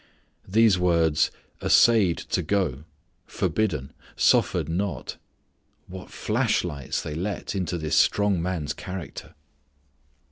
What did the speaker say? These words, "assayed to go," "forbidden," "suffered not" what flashlights they let into this strong man's character.